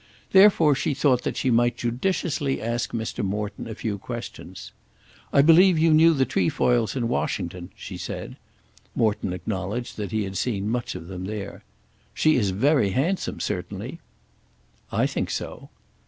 Therefore she thought that she might judiciously ask Mr. Morton a few questions. "I believe you knew the Trefoils in Washington?" she said. Morton acknowledged that he had seen much of them there. "She is very handsome, certainly." "I think so."